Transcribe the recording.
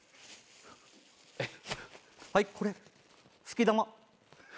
はいこれ好き玉。